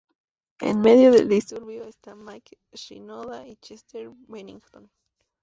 En medio del disturbio, están Mike Shinoda y Chester Bennington.